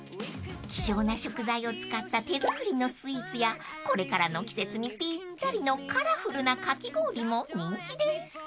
［希少な食材を使った手作りのスイーツやこれからの季節にぴったりのカラフルなかき氷も人気です］